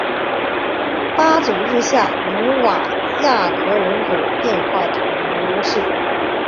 巴祖日下努瓦亚勒人口变化图示